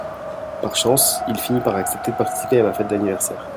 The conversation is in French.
Par chance, il finit par accepter de participer à ma fête d'anniversaire